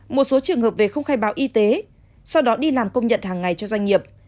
một số trường hợp về không khai báo y tế sau đó đi làm công nhận hàng ngày cho doanh nghiệp